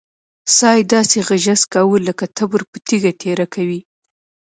سا يې داسې غژس کوه لک تبر په تيږه تېره کوې.